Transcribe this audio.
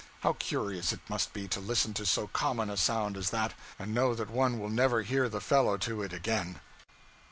How curious it must be, to listen to so common a sound as that, and know that one will never hear the fellow to it again.'